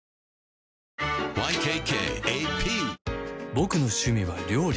ボクの趣味は料理